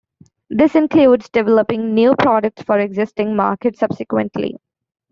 This includes developing new products for existing markets, subsequently.